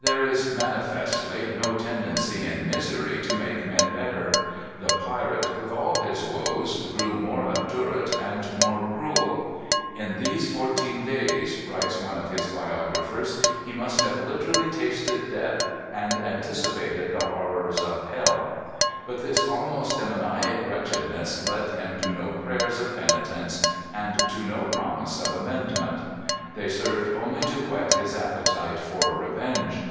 There is manifestly no tendency in misery to make men better. The pirate, with all his woes, grew more obdurate and more cruel. "In these fourteen days," writes one of his biographers, "he must have literally tasted death and anticipated the horrors of hell." But this almost demoniac wretchedness led him to no prayers of penitence, and to no promises of amendment. They served only to whet his appetite for revenge.